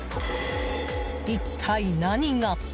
一体何が？